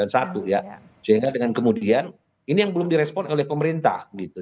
sehingga dengan kemudian ini yang belum direspon oleh pemerintah